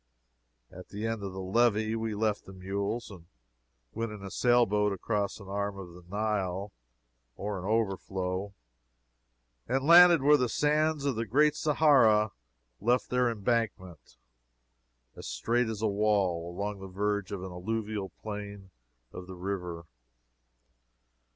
At the end of the levee we left the mules and went in a sailboat across an arm of the Nile or an overflow, and landed where the sands of the Great Sahara left their embankment, as straight as a wall, along the verge of the alluvial plain of the river.